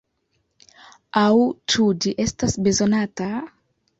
Aŭ ĉu ĝi estas bezonata?